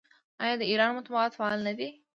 آیا د ایران مطبوعات فعال نه دي؟